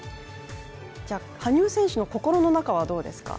羽生選手の心の中はどうですか。